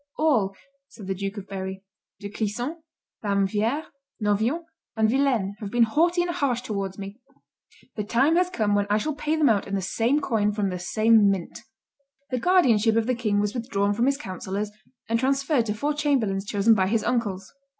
"All!" said the Duke of Berry, "De Clisson, La Mviere, Noviant, and Vilaine have been haughty and harsh towards me; the time has come when I shall pay them out in the same coin from the same mint." The guardianship of the king was withdrawn from his councillors, and transferred to four chamberlains chosen by his uncles.